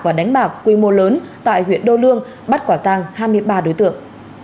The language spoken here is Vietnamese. và đánh bạc quy mô lớn tại huyện đô lương bắt quả tàng hai mươi ba đối tượng